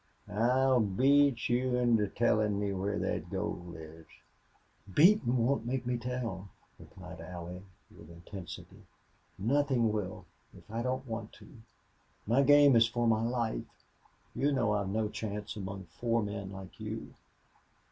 I'll beat you into tellin' me where thet gold is." "Beating won't make me tell," replied Allie, with intensity. "Nothing will if I don't want to. My game is for my life. You know I've no chance among four men like you."